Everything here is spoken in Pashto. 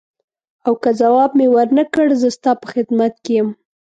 او که ځواب مې ورنه کړ زه ستا په خدمت کې یم.